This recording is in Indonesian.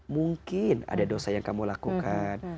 mungkin ada dosa yang kamu lakukan